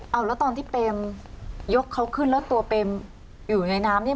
เอาแล้วตอนที่เปมยกเขาขึ้นแล้วตัวเปมอยู่ในน้ำนี่